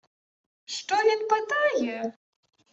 «Що він питає?»